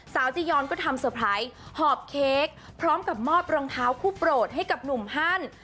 จียอนก็ทำเตอร์ไพรส์หอบเค้กพร้อมกับมอบรองเท้าคู่โปรดให้กับหนุ่มฮัน